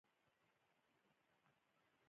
تاسو د دې بد بختې ماشومې پلار هم ياستئ.